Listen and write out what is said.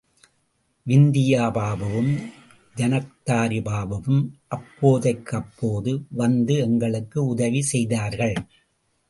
விந்தியா பாபுவும், ஜனக்தாரி பாபுவும் அப்போதைக்கப்போது வந்து எங்களுக்கு உதவி செய்தார்கள்.